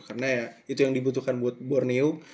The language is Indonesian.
karena ya itu yang dibutuhkan buat borneo